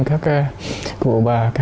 các cụ bà